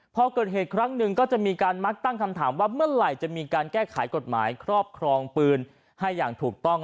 พอเกิดเหตุครั้งหนึ่งก็จะมีการมักตั้งคำถามว่าเมื่อไหร่จะมีการแก้ไขกฎหมายครอบครองปืนให้อย่างถูกต้อง